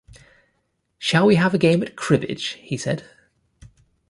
“Shall we have a game at cribbage?” he said.